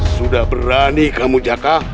sudah berani kamu jaka